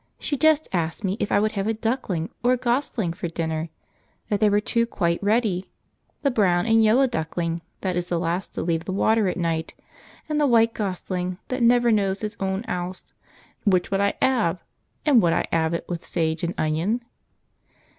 She just asked me if I would have a duckling or a gosling for dinner; that there were two quite ready the brown and yellow duckling, that is the last to leave the water at night, and the white gosling that never knows his own 'ouse. Which would I 'ave, and would I 'ave it with sage and onion?